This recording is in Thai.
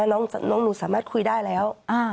น้องหนูสามารถคุยได้แล้ว